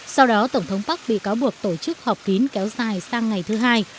sau đó tổng thống park bị cáo buộc tổ chức họp kín kéo dài sang ngày thứ hai